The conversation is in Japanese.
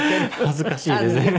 恥ずかしいですね。